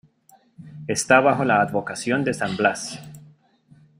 Está bajo la advocación de San Blas.